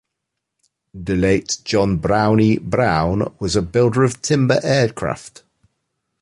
The late John "Brownie" Brown was a builder of timber aircraft.